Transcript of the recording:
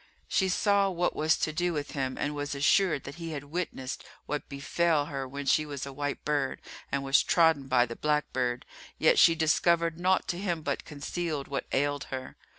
She saw what was to do with him and was assured that he had witnessed what befel her when she was a white bird and was trodden by the black bird; yet she discovered naught to him but concealed what ailed her.